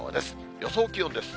予想気温です。